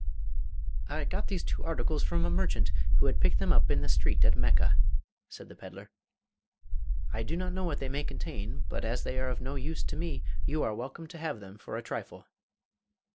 'I got these two articles from a merchant who had picked them up in the street at Mecca,' said the pedlar. 'I do not know what they may contain, but as they are of no use to me, you are welcome to have them for a trifle.